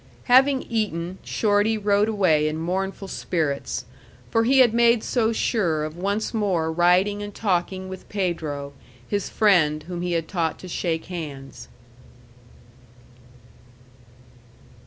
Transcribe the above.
Having eaten, Shorty rode away in mournful spirits. For he had made so sure of once more riding and talking with Pedro, his friend whom he had taught to shake hands.